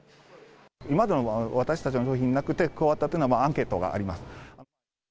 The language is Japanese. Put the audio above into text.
今までの私たちの商品になくて、加わったっていうのはアンケートがあります。